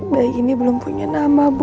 bayi ini belum punya nama bu